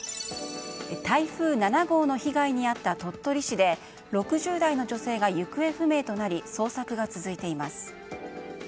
台風７号の被害に遭った鳥取市で６０代の女性が行方不明となり捜索が続いています。